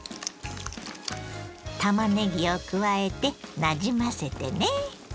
たまねぎを加えてなじませてね。